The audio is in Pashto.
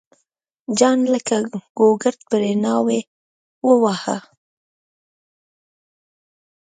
جان لکه ګوګرد پرې ناوی وواهه.